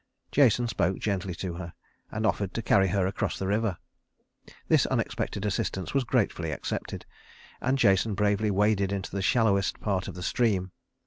Jason spoke gently to her, and offered to carry her across the river. This unexpected assistance was gratefully accepted, and Jason bravely waded into the shallowest part of the stream.